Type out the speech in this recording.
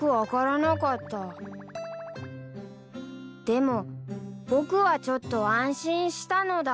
でも僕はちょっと安心したのだ